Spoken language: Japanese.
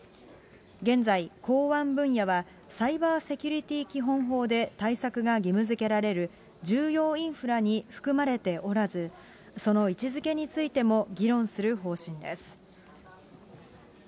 現在、港湾分野はサイバーセキュリティ基本法で対策が義務づけられる重要インフラに含まれておらず、その位置づけについても議論する方針です。